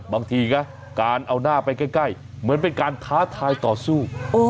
บางทีนะการเอาหน้าไปใกล้เหมือนเป็นการท้าทายต่อสู้